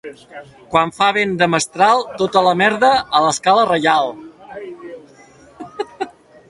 Quan fa vent de mestral, tota la merda a l'Escala Reial.